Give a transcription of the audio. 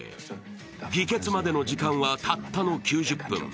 議決までの時間は、たったの９０分。